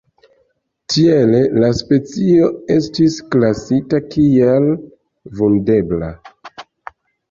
Tiele la specio estis klasita kiel vundebla.